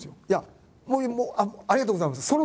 いやもうありがとうございます！